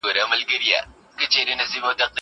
زه پرون د کتابتون د کار مرسته کوم.